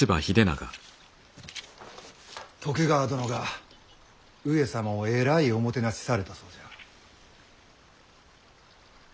徳川殿が上様をえらいおもてなしされたそうじゃ。